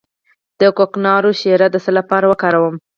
د کوکنارو شیره د څه لپاره وکاروم؟